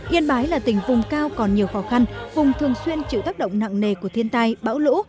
yên bái là tỉnh vùng cao còn nhiều khó khăn vùng thường xuyên chịu tác động nặng nề của thiên tai bão lũ